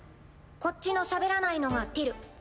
こっちのしゃべらないのがティル。